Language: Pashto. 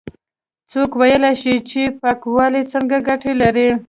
څوک ويلاى شي چې پاکوالی څه گټې لري؟